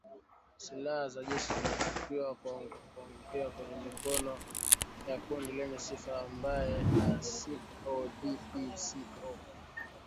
Silaha za jeshi zinashukiwa kuangukia kwenye mikono ya kundi lenye sifa mbaya la CODECO